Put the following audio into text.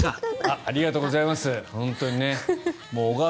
ありがとうございます。